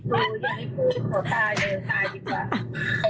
โหยังไม่พูดขอตายเลยตายดีกว่า